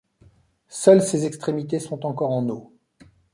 Seules ses extrémités sont encore en eau.